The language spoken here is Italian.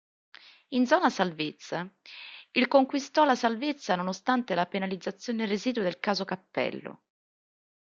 In zona salvezza, il conquistò la salvezza nonostante la penalizzazione residua del Caso Cappello.